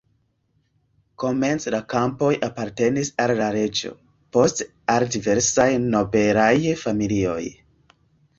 Komence la kampoj apartenis al la reĝo, poste al diversaj nobelaj familioj.